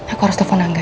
aku harus telfon angga